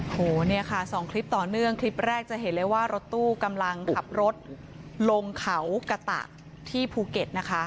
โหเนี่ยค่ะสองคลิปต่อเนื่องคลิปแรกจะเห็นเลยว่ารถตู้กำลังขับรถลงเขากะตะที่ภูเก็ตนะคะ